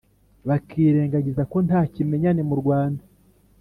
bakirengagiza ko nta kimenyane mu Rwanda.